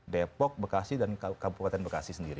depok bekasi dan kabupaten bekasi sendiri